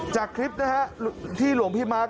จากคลิปนะฮะที่หลวงพี่มาร์ค